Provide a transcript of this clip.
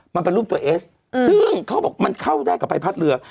มันเป็นรูปตัวเอสซึ่งเขาบอกมันเข้าได้กับใบพัดเรือ